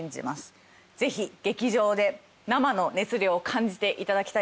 ぜひ劇場で生の熱量を感じていただきたいです。